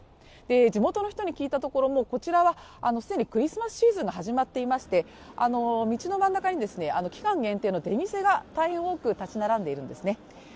地元の人に聞いたところ、こちらはすでにクリスマスシーズンが始まっていまして道の真ん中に期間限定の出店が大変多く立ち並んでいるんですね。